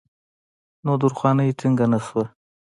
نو درخانۍ ټينګه نۀ شوه